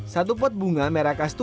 satu pot bunga merah kastu